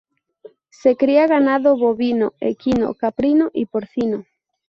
Se cría ganado bovino, equino, caprino y porcino.